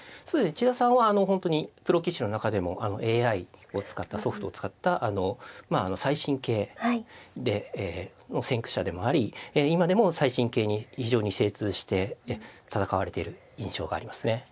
そうですね千田さんはプロ棋士の中でもＡＩを使ったソフトを使った最新形の先駆者でもあり今でも最新形に非常に精通して戦われている印象がありますね。